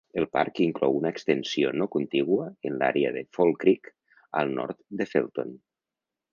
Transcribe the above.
El parc inclou una extensió no contigua en l'àrea de Fall Creek, al nord de Felton.